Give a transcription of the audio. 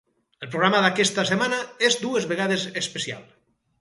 El programa d’aquesta setmana és dues vegades especial.